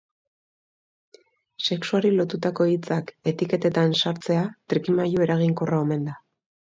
Sexuari lotutako hitzak etiketetan sartzea trikimailu eraginkorra omen da.